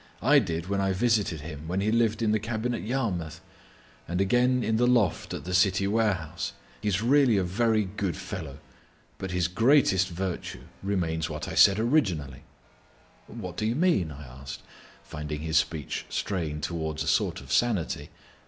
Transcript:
I did when I visited him when he lived in the cabin at Yarmouth, and again in the loft at the city warehouse. He's really a very good fellow. But his greatest virtue remains what I said originally." "What do you mean?" I asked, finding his speech straying towards a sort of sanity.